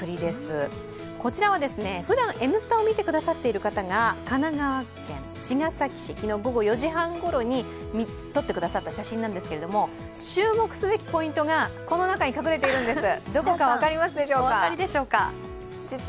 こちらは、ふだん「Ｎスタ」を見てくださっている方が神奈川県茅ヶ崎市、昨日午後４時半ごろに撮ってくださった写真ですが、注目すべきポイントがこの中に隠れているんです、どこか分かりますでしょうか？